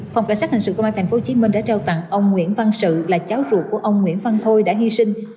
phòng cảnh sát hình sự công an tp hcm đã trao tặng ông nguyễn văn sự là cháu ruột của ông nguyễn văn thôi đã hy sinh